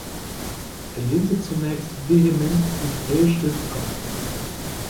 Er lehnte zunächst vehement die Braille-Schrift ab.